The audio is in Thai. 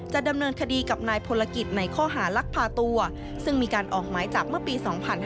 ดำเนินคดีกับนายพลกิจในข้อหาลักพาตัวซึ่งมีการออกหมายจับเมื่อปี๒๕๕๙